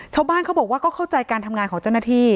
ชาวบ้านเขาบอกว่าก็เข้าใจการทำงานของเจ้าหน้าที่